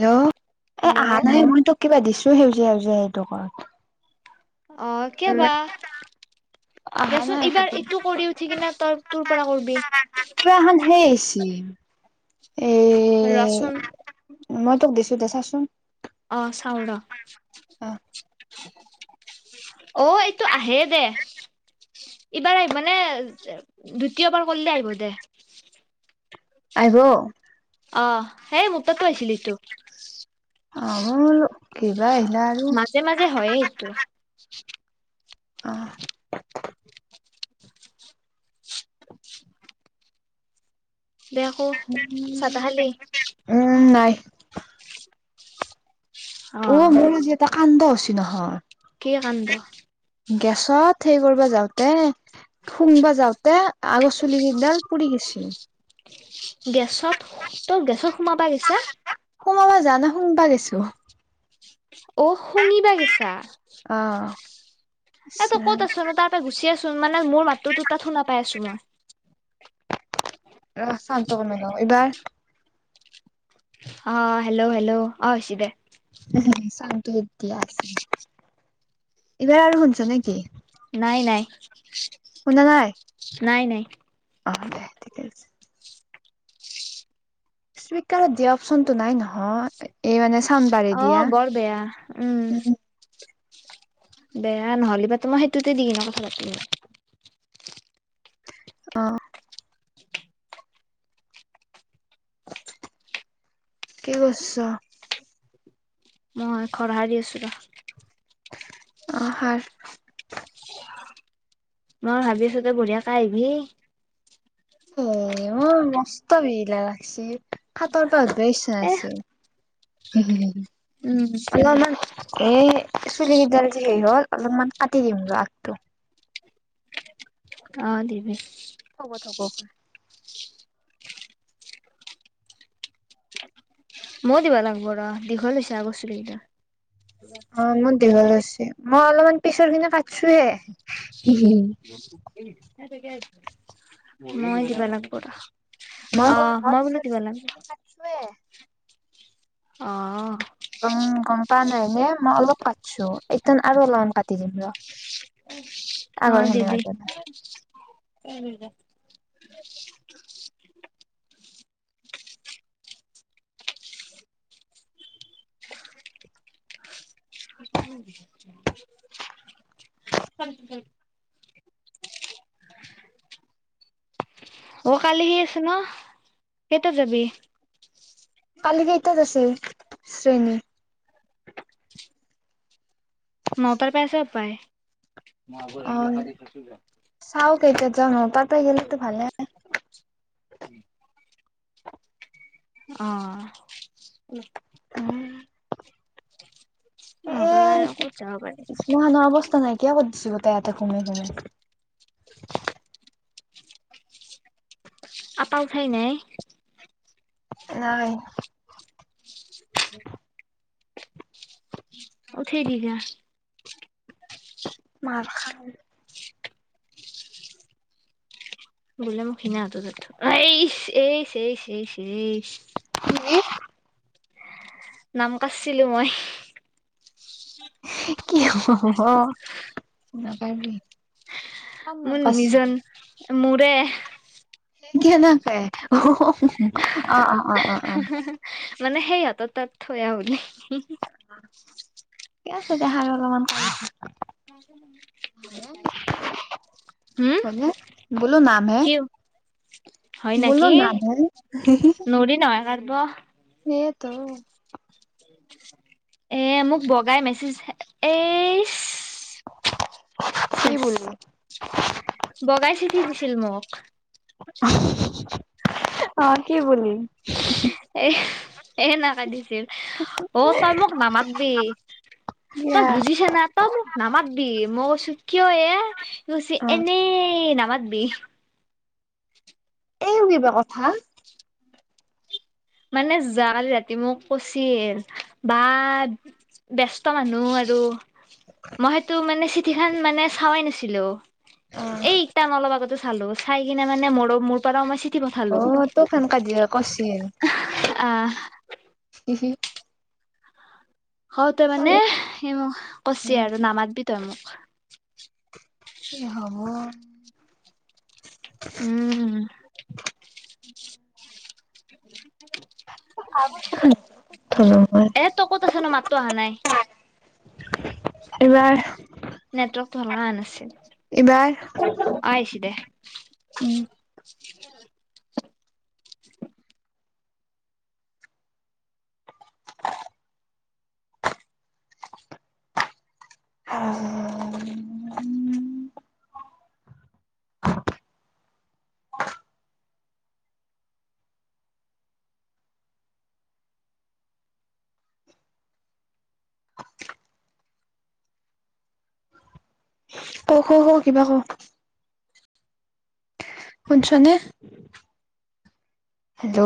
Hello. এ hello আহা নাই। মই তোক কিবা দিছো। সেউজীয়া সেউজীয়া সেইটোকৰত অ কিয় বা? আহাত দেচোন, এইবাৰ ইটো কৰি উঠি কিনে তই তোৰ পৰা কৰবি। কিবা এখন [unintelligible] ৰহচোন! মই তোক দিছো দে, চাচোন। চাও ৰ অ অ' এইটো আহে দে এইবাৰ আহিব নে? দ্বিতীয়বাৰ কৰিলে আহিব দে। আহিব? অ, হেই মোত তাতো আহিছিল এইটো অ লো মাজে মাজে হয়ে এইটো। আহ দে আকৌ চাহ তাহ খালি উম নাই। অ মোৰ আজি এটা কান্দ হৈছি কি কাণ্ড [unintelligible] গেছত সেই কৰিব যাওঁতে শুংবা যাওঁতে আগৰ চুলি কেইডাল পুৰি গেছি। গেছত তই গেছত সোমাবা গেছা সোমাবা জা নাই শুংবা গেছো। অ শুঙিবা গেছা। অ এ তই এইবাৰ কত আছানো তাতে গুছি আছো। মানে মোৰ মাততো তোৰ তাত শুনা পাই আছো মই। ৰা চাউন্ত টো কমাই লও এইবাৰ। অ' হেল্ল' হেল্ল' অছি দে উ [unintelligible] চাউন্ততো এইবাৰ আৰু শুনিছ নেকি? নাই নাই। শুনা নাই? নাই নাই। অ' দে ঠিকে আছে। সকাৰত দিয়া অপচনতটো নাই নহয় এই মানে [inaudible] দিয়া। অ' বৰ বেয়া, উম। বেয়া নহলেবা মই সেইটোতে দি কিনে কথা পাতিম। অঁ। কি কৰিছ? মই খৰ হাৰি দি আছোঁ ৰ [inaudible] অ' হাৰ। মই ভাবি আছো তই বঢ়িয় কে আহিবি। স মোৰ মস্ত ভিলা লাগছে হাতৰ [inaudible] ত বেছ ন এ আছে [inaudible] [unintelligible] উম। এ চুলি কেইডাল যে সেই হ'ল অলপমান কাটি দিম ৰ আগটো। অ দিবি। শকত থব ময় দিবা লাগিব ৰ দীঘল হৈছে আগৰ চুলি কেইটা। অ মোন দীঘল হৈছে মই অলপমান পিছৰ খিনি কাটছোহে। [unintelligible] ই সেই তাইকে আইবে। মই দিবা লাগবো ৰ, অ মই বোলো দিবা লাগবো। কাটছোৱে। অ। গম গম পোৱা নাই নে? মই অলপ কাটিছো এইতান আৰু অলপমান কাটি দিম ৰ। আগৰ অ', দিবি। সেনেকুৱাটো [unintelligible] [unintelligible] [unintelligible] অ', কালি [unintelligible] আছে ন' কেইটাট যাবি? কালি কেইটাত আছিল, শ্ৰেণী। ন'টাৰ পা আছে পায়। অ', চাও কেইটাত যাওঁ ন'টাটে গেলি ত' ভালে। [inaudible] অ', [inaudible] ন'টা [unintelligible] যাব পাৰি। চবতে আতে ঘুমে ঘুমে। আপা উঠাই নাই? হয়। উঠে দিলা? মাৰখাম। গ'লে মোক [unintelligible] কি? নাম কাৰচিলোঁ মই। কি হ'ব, নকইবি। মোৰ নিজন, মোৰে। কেনেকে অ অ আ আ [unintelligible] মানে সেই সিহঁতৰ তাত থৈ আহোঁ বুলি ঠিকেই আছে দেহাত অলমান কালি হম, বোলো নামহে কি, হয় বোলো নেকি? নামহে নৰি নহয় কাৰ ব সেয়েতো। এ মোক বগাই মেচেজ, এইচ কি চেচ, বুলি বগাই চিঠি দিছিল মোক। অ'। অ, কি বুলি? এনেকে দিছিল। অ তই মোক নামাতবি তই দিয়া বুজিছা না, তই মোক নামাতবি, মই কৈছো কিয় এ, সি কৈছি অ এনেই নামাত বি এইও কিবা কথা মানে যোৱা কালি ৰাতি মোক কৈছিল, বাহ ব্যস্ত মানুহ আৰু মই সেইটো মানে চিঠি খান মানে চাৱাই নাছিলো। অ', এ ইটান অলপ আগত জাচ চালো, চাই কিনে মানে মোৰো মোৰ পৰাও মই চিত অ', তো খান কাজিয়ে কৈছিল। আহ। [inaudible] হ তই মানে সি মোক কছি আৰু নামাতবি তই মোক। [inaudible] কি হ'ব উম। এ তই ক'ত আছ নু, মাতটো আহা নাই। এইবাৰ নেটৱৰ্কটো [inaudible] এইবাৰ, অ আহিছি দে উম [inaudible] [inaudible] অঁ ক ক কিবা ক শুন চনে হেল্ল'